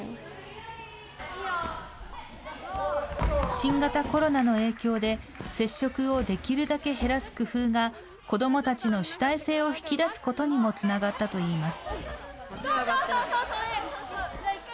新型コロナの影響で、接触をできるだけ減らす工夫が子どもたちの主体性を引き出すことにもつながったといいます。